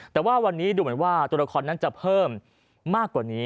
แต่ว่าวันนี้ดูเหมือนว่าตัวละครนั้นจะเพิ่มมากกว่านี้